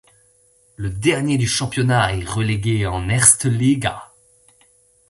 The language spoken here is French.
Le dernier du championnat est relégué en Erste Liga.